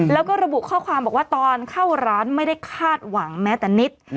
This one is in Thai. แล้วก็ระบุข้อความบอกว่าตอนเข้าร้านไม่ได้คาดหวังแม้แต่นิด